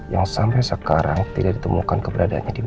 yang sampai sekarang tidak ditemukan keberadaannya di mana